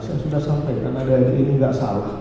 saya sudah sampaikan adik adik ini enggak salah